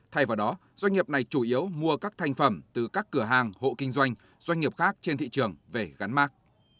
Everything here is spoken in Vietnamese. thay vào đó doanh nghiệp này chủ yếu mua các thành phẩm từ các cửa hàng hộ kinh doanh doanh nghiệp khác trên thị trường về gắn mạc